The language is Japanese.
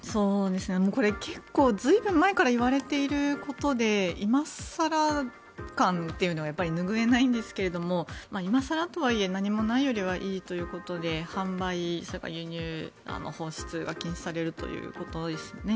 これ、結構随分前から言われていることで今更感というのが拭えないですが今更とはいえ何もないよりはいいということで販売、それから輸入放出が禁止されるということですよね。